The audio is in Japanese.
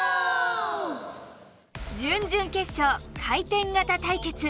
準々決勝回転型対決。